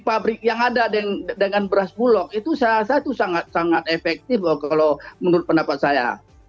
pabrik yang ada dengan beras bulog itu salah satu sangat sangat efektif loh kalau menurut pendapat saya